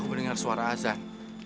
aku mendengar suara azan